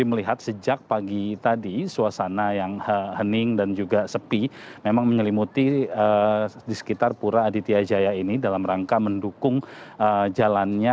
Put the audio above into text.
jadi melihat sejak pagi tadi suasana yang hening dan juga sepi memang menyelimuti di sekitar pura aditya jaya ini dalam rangka mendukung jalannya